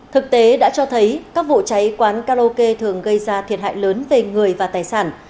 thực tế đã cho thấy các vụ cháy quán karaoke thường gây ra thiệt hại lớn về người và tài sản